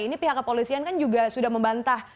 ini pihak kepolisian kan juga sudah membantah